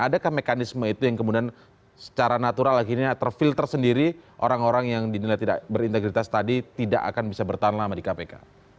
adakah mekanisme itu yang kemudian secara natural akhirnya terfilter sendiri orang orang yang dinilai tidak berintegritas tadi tidak akan bisa bertahan lama di kpk